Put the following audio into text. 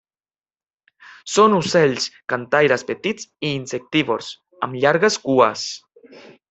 Són ocells cantaires petits i insectívors, amb llargues cues.